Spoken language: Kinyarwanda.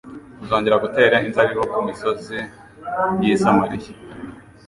Uzongera gutera inzabibu ku misozi y i Samariya